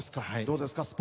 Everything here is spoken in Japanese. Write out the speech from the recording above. どうですか？